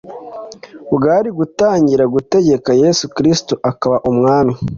bwari gutangira gutegeka yesu kristo akaba umwami